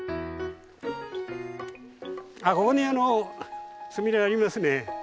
あっここにスミレありますね。